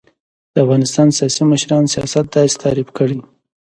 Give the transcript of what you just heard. و : د افغانستان سیاسی مشران سیاست داسی تعریف کړی